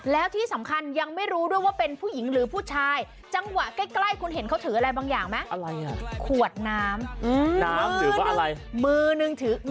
แล้วที่สำคัญยังไม่รู้ด้วยว่าเป็นผู้หญิงหรือผู้ชายจังหวะใกล้คุณเห็นเขาถืออะไรบางอย่างไหม